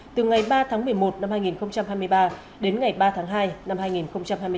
từ ngày ba tháng một mươi một năm hai nghìn hai mươi ba đến ngày ba tháng hai năm hai nghìn hai mươi bốn